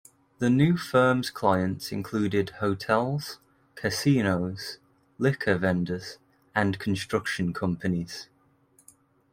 The new firm's clients included hotels, casinos, liquor vendors, and construction companies.